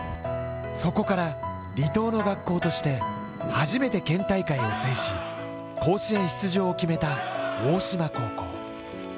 そこから離島の学校として初めて県大会を制し甲子園出場を決めた大島高校。